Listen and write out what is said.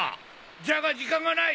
じゃが時間がない。